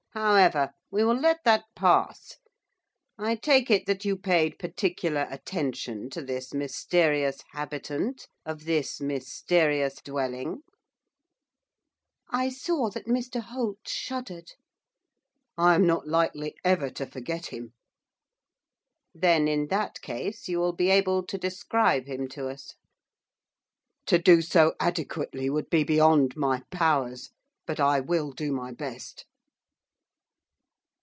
However, we will let that pass. I take it that you paid particular attention to this mysterious habitant of this mysterious dwelling.' I saw that Mr Holt shuddered. 'I am not likely ever to forget him.' 'Then, in that case, you will be able to describe him to us.' 'To do so adequately would be beyond my powers. But I will do my best.